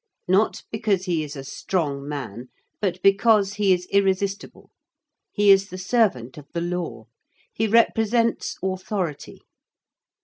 Not because he is a strong man, but because he is irresistible: he is the servant of the Law: he represents Authority.